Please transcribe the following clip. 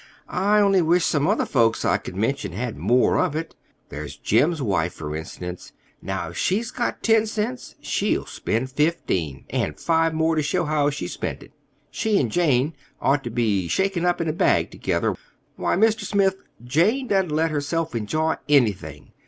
I only wish some other folks I could mention had more of it. There's Jim's wife, for instance. Now, if she's got ten cents, she'll spend fifteen—and five more to show how she spent it. She and Jane ought to be shaken up in a bag together. Why, Mr. Smith, Jane doesn't let herself enjoy anything.